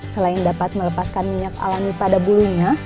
selain dapat melepaskan minyak alami pada bulunya